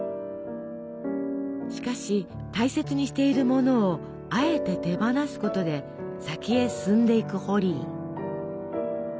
しかし大切にしているものをあえて手放すことで先へ進んでいくホリー。